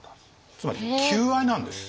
つまり求愛なんです。